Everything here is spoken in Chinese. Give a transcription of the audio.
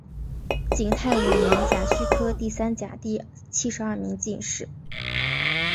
景泰五年甲戌科第三甲第七十二名进士。